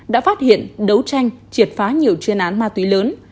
đã phát hiện đấu tranh triệt phá nhiều chuyên án ma túy lớn